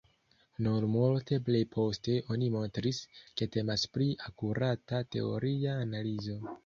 Nur multe pli poste oni montris, ke temas pri akurata teoria analizo.